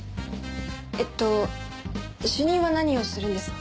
えっと主任は何をするんですか？